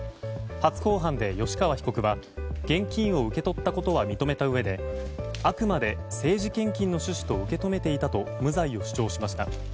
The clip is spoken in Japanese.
初公判で吉川被告は現金を受け取ったことは認めたうえであくまで政治献金の趣旨と受け止めていたと無罪を主張しました。